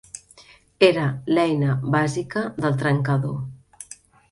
Era l’eina bàsica del trencador.